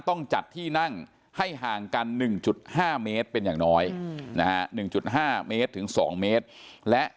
ต้องจัดที่นั่งให้ห่างกัน๑๕เมตรเป็นอย่างน้อยนะฮะ๑๕เมตรถึง๒เมตรและ